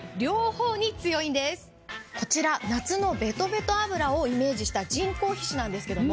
こちら夏のベトベト脂をイメージした人工皮脂なんですけども。